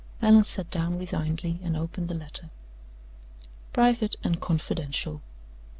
Allan sat down resignedly, and opened the letter. ["Private and Confidential."